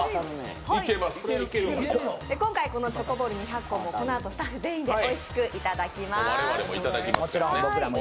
今回このチョコボール２００個をスタッフ全員でおいしくいただきます。